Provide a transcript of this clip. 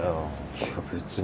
いや別に。